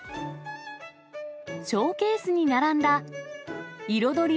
ショーケースに並んだ彩り